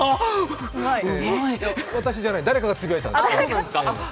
私じゃない誰かがつぶやいたんです。